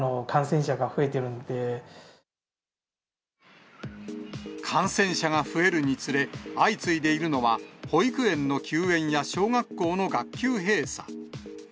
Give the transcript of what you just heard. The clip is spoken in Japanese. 感染者が増えるにつれ、相次いでいるのは保育園の休園や小学校の学級閉鎖。